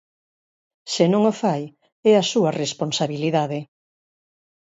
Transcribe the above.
Se non o fai, é a súa responsabilidade.